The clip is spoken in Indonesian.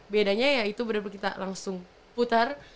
bedanya ya itu berarti kita langsung putar